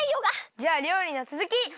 じゃありょうりのつづき！